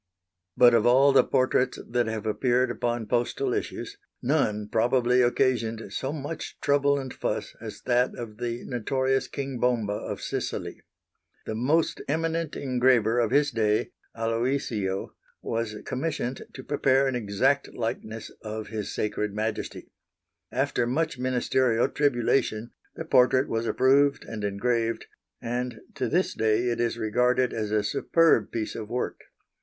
But of all the portraits that have appeared upon postal issues, none probably occasioned so much trouble and fuss as that of the notorious King Bomba of Sicily. The most eminent engraver of his day Aloisio was commissioned to prepare an exact likeness of His Sacred Majesty. After much ministerial tribulation the portrait was approved and engraved, and to this day it is regarded as a superb piece of work.